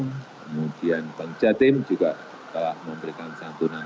kemudian pencetim juga telah memberikan santunan